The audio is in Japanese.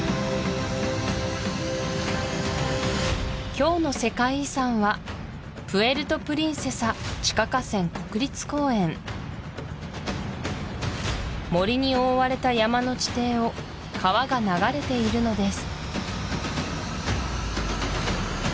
今日の世界遺産は森に覆われた山の地底を川が流れているのです